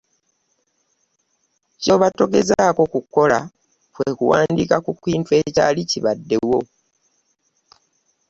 Ky’oba togezaako kukola kwe kuwandiika ku kintu ekyali kibaddewo.